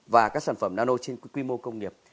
và các sản phẩm nano trên quy mô công nghiệp